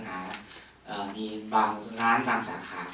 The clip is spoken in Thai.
กับอีสัชนะครับ